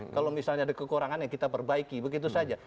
kalau misalnya ada kekurangan ya kita perbaiki begitu saja